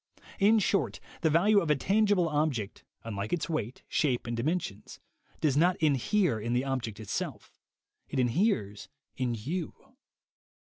In short, the value of a tangible object, unlike its weight, shape and dimensions, does not inhere in the object itself; it inheres in you.